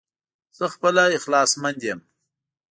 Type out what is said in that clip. زه خپله اخلاص مند يم